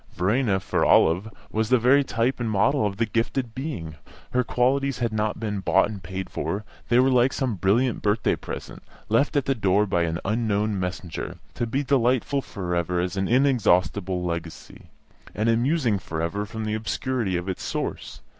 Verena, for Olive, was the very type and model of the "gifted being"; her qualities had not been bought and paid for; they were like some brilliant birthday present, left at the door by an unknown messenger, to be delightful for ever as an inexhaustible legacy, and amusing for ever from the obscurity of its source.